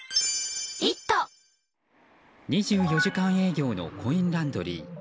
２４時間営業のコインランドリー。